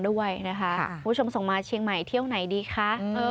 ด้วยนะคะ